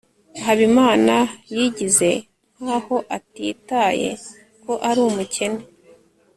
habimana yigize nkaho atitaye ko ari umukene